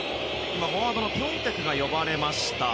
今、フォワードのピョンテクが呼ばれました。